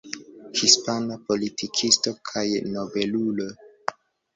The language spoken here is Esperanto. Hispana politikisto kaj nobelulo.